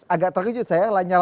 agak terkejut saya